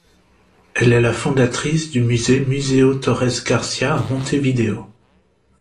Elle est la fondatrice du musée Museo Torres Garcia à Montevideo.